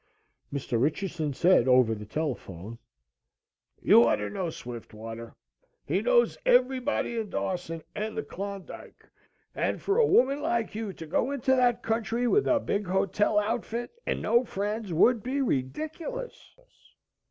Mr. Richardson said over the telephone: "You ought to know Swiftwater he knows everybody in Dawson and the Klondike, and for a woman like you to go into that country with a big hotel outfit and no friends would be ridiculous."